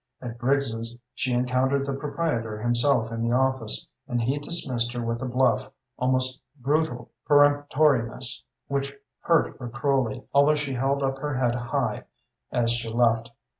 At Briggs's she encountered the proprietor himself in the office, and he dismissed her with a bluff, almost brutal, peremptoriness which hurt her cruelly, although she held up her head high as she left.